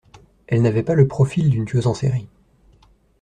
Elle n’avait pas le profil d’une tueuse en série